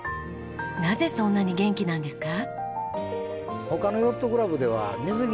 なぜそんなに元気なんですか？